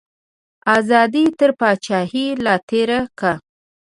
ازادي تر پاچاهیه لا تیری کا.